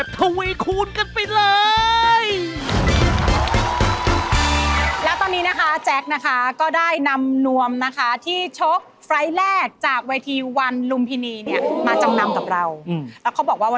ซึ่งตอนนี้นะคะมีเงินอยู่ในกระเป๋าแล้ว